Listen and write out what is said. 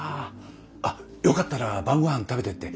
あよかったら晩ごはん食べてって。